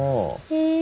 へえ。